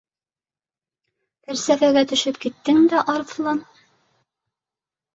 — Фәлсәфәгә төшөп киттең дә, Арыҫлан